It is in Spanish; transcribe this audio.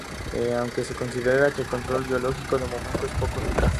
Aunque se considera que el control biológico, de momento, es poco eficaz.